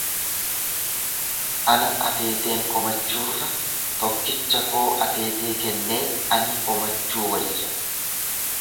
Ana ateeteen komachuurra tokkicha koo ateetee kennee ani komachuu wayya.